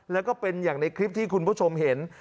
แล้วก็เป็นอย่างในคลิปที่คุณผู้ชมเห็น